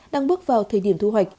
đang bước vào thiết kế